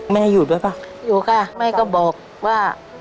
ให้อยู่ด้วยป่ะอยู่ค่ะแม่ก็บอกว่า